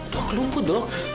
dok lumpuh dok